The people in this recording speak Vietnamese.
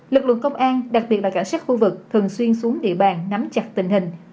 lực lượng công an đặc biệt là cảnh sát khu vực thường xuyên xuống địa bàn nắm chặt tình hình